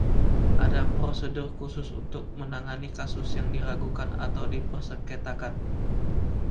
Ada prosedur khusus untuk menangani kasus yang diragukan atau dipersengketakan.